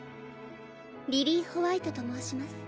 リリィー＝ホワイトと申します